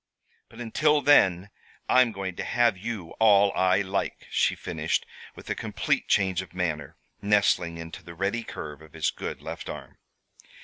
But until then I'm going to have you all I like," she finished, with a complete change of manner, nestling into the ready curve of his good left arm.